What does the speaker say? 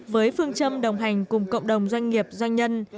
với phương châm đồng hành cùng cộng đồng doanh nghiệp doanh nhân